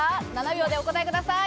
７秒でお答えください。